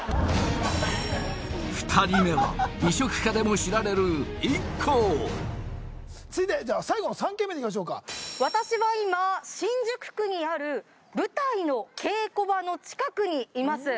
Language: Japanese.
２人目は美食家でも知られる続いてじゃあ最後の３軒目にいきましょうか私は今新宿区にある舞台の稽古場の近くにいます